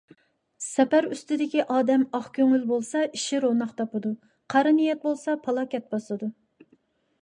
سەپەر ئۈستىدىكى ئادەم ئاق كۆڭۈل بولسا ئىشى روناق تاپىدۇ، قارا نىيەت بولسا پالاكەت باسىدۇ.